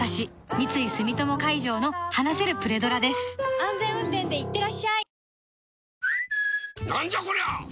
安全運転でいってらっしゃい